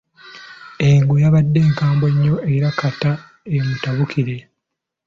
Engo yabadde nkambwe nnyo era kata omutabukire.